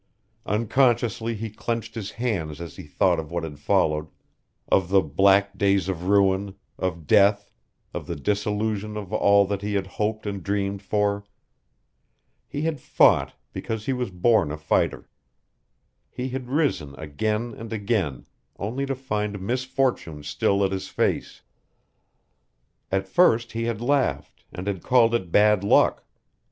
Unconsciously he clenched his hands as he thought of what had followed, of the black days of ruin, of death, of the dissolution of all that he had hoped and dreamed for. He had fought, because he was born a fighter. He had risen again and again, only to find misfortune still at his face. At first he had laughed, and had called it bad luck.